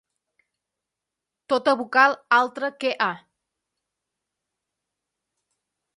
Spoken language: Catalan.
Tota vocal altra que a.